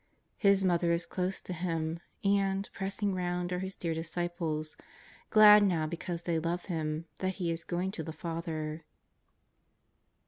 His Mother is close to Him, and, pressing round, are His dear disciples, glad now, because they love Him, that He is going to the Father.